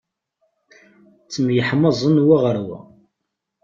Ttemyeḥmaẓen wa ɣer wa.